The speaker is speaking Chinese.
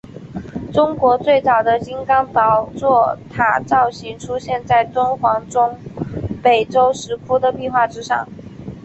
中国最早的金刚宝座塔造型出现在敦煌中北周石窟的壁画之上。